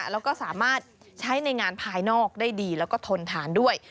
แล้วก็สามารถใช้ในงานภายนอกได้ดีแล้วก็ทนทานด้วย